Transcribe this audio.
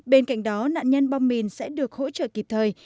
bên cạnh đó nạn nhân bom mìn sẽ được hỗ trợ kịp thời